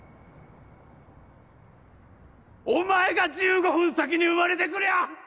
お前が１５分先に生まれてくりゃ